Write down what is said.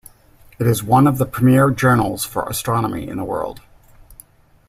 It is one of the premier journals for astronomy in the world.